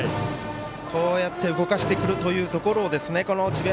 こうやって動かしてくるというところをこの智弁